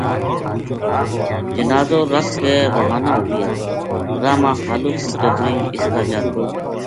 جنازو رکھ کے روانہ ہو گیا راہ ما خالق کی ٹبری اس کا جاتک